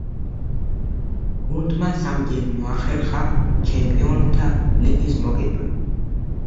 გუნდმა სამჯერ მოახერხა ჩემპიონთა ლიგის მოგება.